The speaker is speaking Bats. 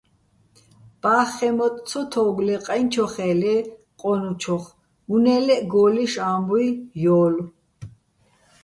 ბა́ხხეჼ მოტტ ცო თო́უგო̆ ლე ყაჲნჩოხე́ ლე ყო́ნუჩოხ, უ̂ნე ლე́ჸ გო́ლლიშ ა́მბუჲ ჲო́ლო̆.